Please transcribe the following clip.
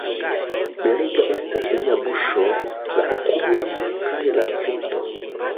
Belega estas lia buŝo, la okuloj kaj la frunto.